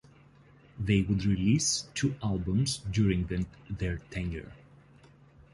They would release two albums during their tenure.